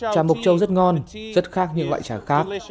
trà mộc châu rất ngon rất khác những loại trà khác